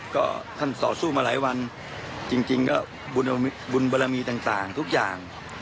ก็ท่านต่อสู้มาหลายวันจริงก็บุญบรมีต่างทุกอย่าง